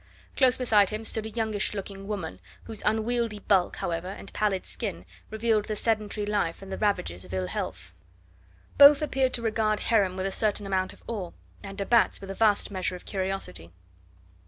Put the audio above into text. Close beside him stood a youngish looking woman, whose unwieldy bulk, however, and pallid skin revealed the sedentary life and the ravages of ill health. Both appeared to regard Heron with a certain amount of awe, and de Batz with a vast measure of curiosity.